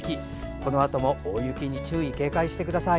このあとも大雪に注意・警戒してください。